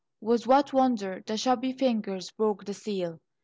With what wonder the chubby fingers broke the seal!